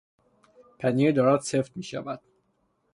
پنیر دارد سفت میشود.